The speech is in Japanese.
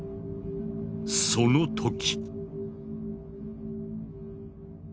その時。